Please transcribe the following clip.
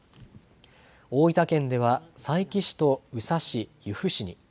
大分県では佐伯市と宇佐市、由布市に。